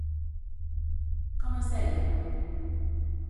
Com es deia el club?